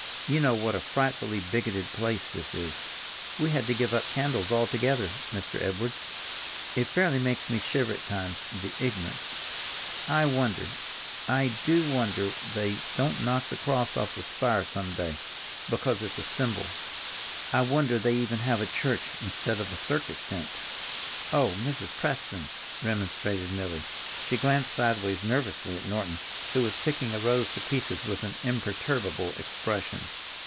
You know what a frightfully bigoted place this is! We had to give up candles altogether, Mr. Edwards. It fairly makes me shiver at times—the ignorance! I wonder—I do wonder, they don't knock the cross off the spire some day, because it's a symbol. I wonder they even have a church, instead of a circus tent!" "Oh, Mrs. Preston!" remonstrated Milly. She glanced sideways nervously at Norton, who was picking a rose to pieces with an imperturbable expression.